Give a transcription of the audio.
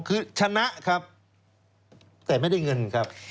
คือชนะครับแต่ไม่ได้เงินครับ